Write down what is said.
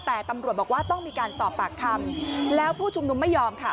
แต่ตำรวจบอกว่าต้องมีการสอบปากคำแล้วผู้ชุมนุมไม่ยอมค่ะ